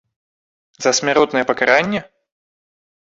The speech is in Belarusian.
За гэта смяротнае пакаранне?